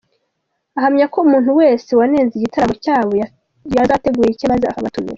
Ahamya ko umuntu wese wanenze igitaramo cyabo yazategura icye maze akabatumira.